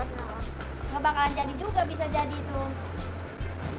nggak bakalan jadi juga bisa jadi tuh